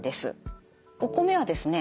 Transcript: お米はですね